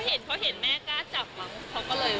เขาเห็นแม่กล้าจับแล้วเขาก็เลย